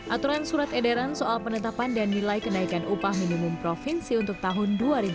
aturan surat edaran soal penetapan dan nilai kenaikan upah minimum provinsi untuk tahun dua ribu dua puluh